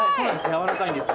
軟らかいんです。